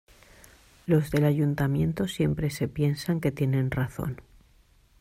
Los del ayuntamiento siempre se piensan que tienen razón.